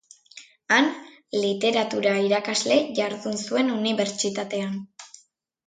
Han, literatura-irakasle jardun zuen unibertsitatean.